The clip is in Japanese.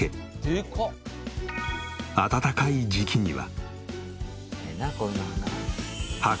暖かい時期には。